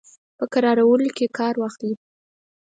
په کرارولو کې کار واخلي.